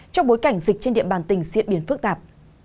trong bối cảnh dịch trên địa bàn tỉnh diễn biến phức tạp